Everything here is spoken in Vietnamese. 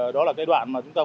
đó là cái đoạn mà chúng tôi